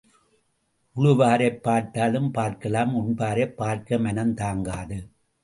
உழுவாரைப் பார்த்தாலும் பார்க்கலாம் உண்பாரைப் பார்க்க மனம் தாங்காது.